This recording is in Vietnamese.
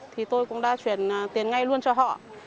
thì tôi cũng đã chuyển tiền ngay luôn cho họ